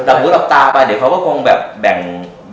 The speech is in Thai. แต่หูหลับตาไปเดี๋ยวเขาก็คงแบบแบ่ง